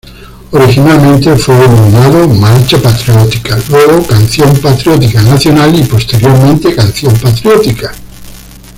Originalmente fue denominado "Marcha patriótica", luego "Canción patriótica nacional" y posteriormente "Canción patriótica".